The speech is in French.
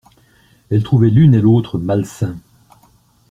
elle trouvait l’une et l’autre malsains.